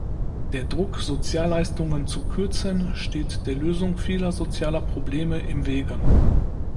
Der Druck Sozialleistungen zu kürzen steht der Lösung vieler sozialer Probleme im Wege.